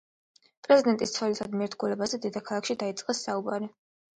პრეზიდენტის ცოლისადმი ერთგულებაზე დედაქალაქში დაიწყეს საუბარი.